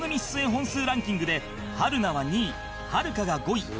本数ランキングで春菜は２位はるかが５位